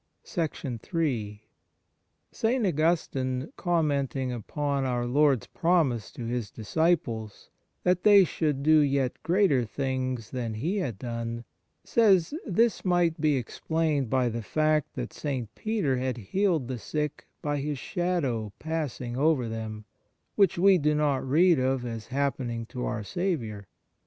iii ST. AUGUSTINE, commenting upon our Lord s promises to His disciples, that they should do yet greater things than He had done, says this might be explained by the fact that St. Peter had healed the sick by his shadow passing over them, which we do not read of as happen ing to our Saviour.